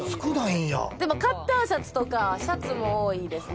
でもカッターシャツとかシャツも多いですね。